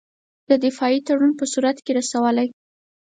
د دفاعي تړون په صورت کې رسولای.